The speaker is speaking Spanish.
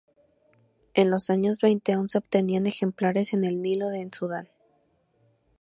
En los años veinte aún se obtenían ejemplares en el Nilo en Sudán.